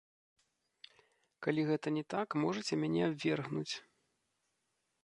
Калі гэта не так, можаце мяне абвергнуць.